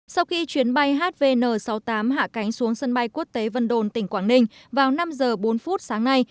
sau khi chuyến bay hvn sáu mươi tám hạ cánh xuống sân bay quốc tế vân đồn tỉnh quảng ninh vào năm h bốn sáng nay